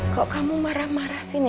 kok kamu marah marah sini